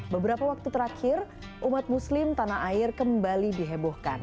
beberapa waktu terakhir umat muslim tanah air kembali dihebohkan